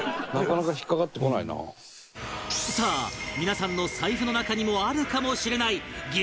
さあ皆さんの財布の中にもあるかもしれない激